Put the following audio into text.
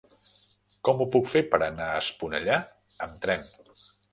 Com ho puc fer per anar a Esponellà amb tren?